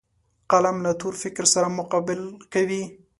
قلم له تور فکر سره مقابل کوي